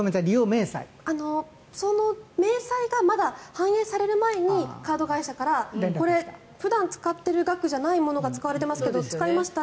その明細がまだ反映される前にカード会社から普段使っている額じゃないものが使われていますけど使いました？って。